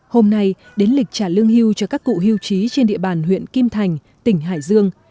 hôm nay đến lịch trả lương hưu cho các cụ hưu trí trên địa bàn huyện kim thành tỉnh hải dương